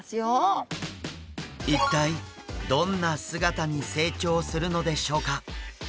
一体どんな姿に成長するのでしょうか？